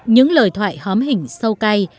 những lời thoại hóm hình sâu cay